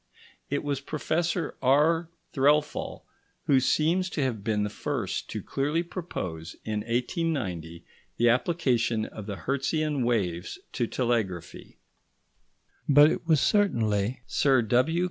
It was Professor R. Threlfall who seems to have been the first to clearly propose, in 1890, the application of the Hertzian waves to telegraphy, but it was certainly Sir W.